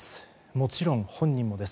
もちろん、本人もです。